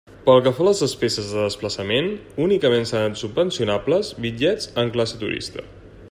Pel que fa a les despeses de desplaçament, únicament seran subvencionables bitllets en classe turista.